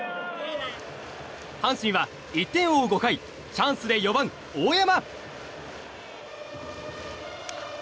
阪神は１点を追う５回チャンスで４番、大山。